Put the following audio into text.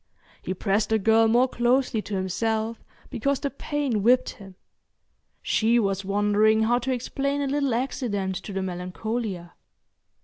He pressed the girl more closely to himself because the pain whipped him. She was wondering how to explain a little accident to the Melancolia.